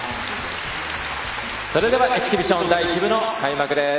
それではエキシビジョン第１部の開幕です。